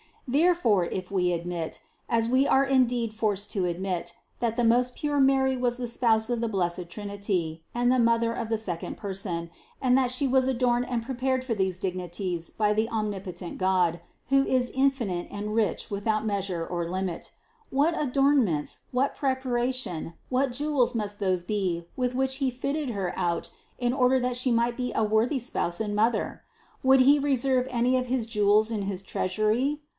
Therefore, if we admit, as we are indeed forced to admit, that the most pure Mary was the Spouse of the blessed Trinity, and Mother of the second Per son, and that She was adorned and prepared for these dignities by the omnipotent God, who is infinite and rich without measure or limit: what adornments, what prep aration, what jewels must those be with which He fitted Her out in order that She might be a worthy Spouse and Mother? Would He reserve any of his jewels in his treasury?